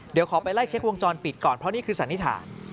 เดี๋ยวขอไปไล่เช็ควงจรปิดก่อนเพราะนี่คือสันนิษฐาน